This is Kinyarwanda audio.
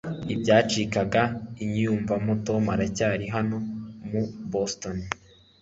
i byacikaga inyiyumvo tom aracyari hano mu boston